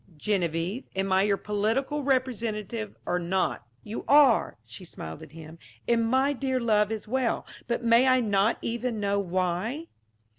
"Geneviève, am I your political representative or not?" "You are," she smiled at him, "and my dear love as well; but may I not even know why?"